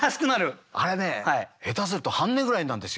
あれね下手すると半値ぐらいになるんですよ。